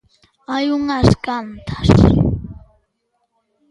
Hai unhas cantas.